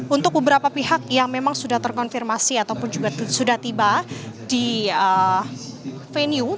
untuk beberapa pihak yang memang sudah terkonfirmasi ataupun juga sudah tiba di venue